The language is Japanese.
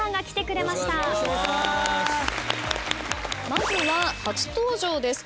まずは初登場です。